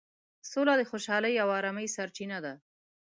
سوله د خوشحالۍ او ارامۍ سرچینه ده.